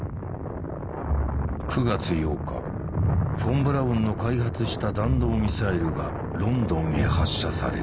９月８日フォン・ブラウンの開発した弾道ミサイルがロンドンへ発射される。